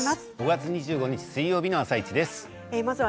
５月２５日のあさイチです。